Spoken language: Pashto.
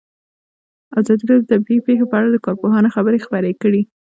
ازادي راډیو د طبیعي پېښې په اړه د کارپوهانو خبرې خپرې کړي.